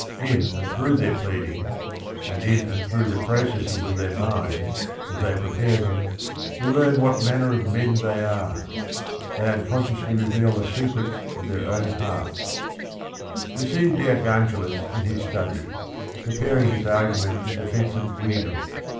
In and through their pleadings, and in and through the processes of their minds as they prepare them, we learn what manner of men they are. They unconsciously reveal the secrets of their own hearts. We see de Archangelis in his study, preparing his argument in defence of Guido.